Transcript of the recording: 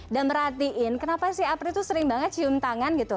dan merhatiin kenapa sih apri itu sering banget cium tangan gitu